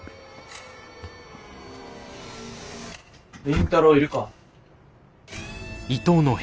倫太郎いるか？